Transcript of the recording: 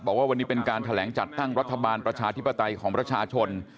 บอกว่าวันนี้เป็นการแถลงจัดตั้งรัฐบาลประชาธิปไตยของประชาชน